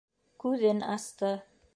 Күҙен асты.